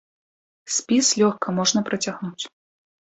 Спіс лёгка можна працягнуць.